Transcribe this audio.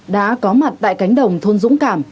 đã có mặt tại cánh đồng thôn dũng cảm